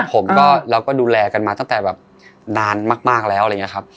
ผมก็เราก็ดูแลกันมาตั้งแต่แบบนานมากแล้วอะไรอย่างนี้ครับ